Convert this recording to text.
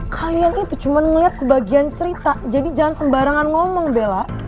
kalian itu cuma ngeliat sebagian cerita jadi jangan sembarangan ngomong bella